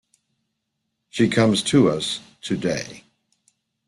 She comes to us to-day.